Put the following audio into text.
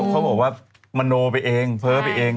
เขาบอกว่ามโนไปเองเพ้อไปเอง